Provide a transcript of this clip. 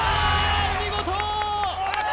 お見事！